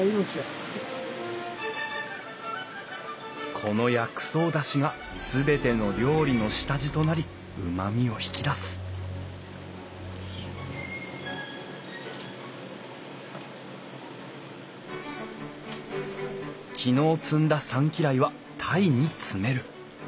この薬草だしが全ての料理の下地となりうまみを引き出す昨日摘んだサンキライは鯛に詰める。